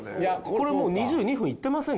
これもう２２分いってませんか？